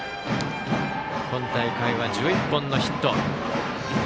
今大会は１１本のヒット。